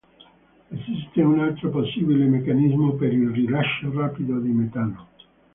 Esiste un altro possibile meccanismo per il rilascio rapido di metano.